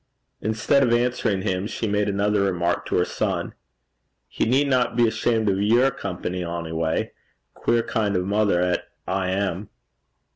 Instead of answering him she made another remark to her son. 'He needna be ashamed o' your company, ony gait queer kin' o' a mither 'at I am.'